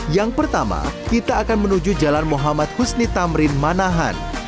yang pertama kita akan menuju jalan muhammad husni tamrin manahan